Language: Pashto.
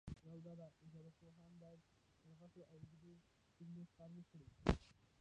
یوه ډله ژبپوهان باید پر غټو او اوږدو جملو کار وکړي.